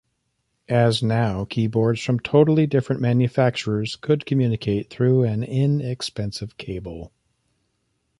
As now keyboards from totally different manufacturers could communicate through an inexpensive cable.